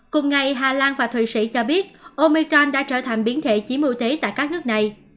cùng ngày hà lan và thuỷ sĩ cho biết omicron đã trở thành biến thể chí mưu tế tại các nước này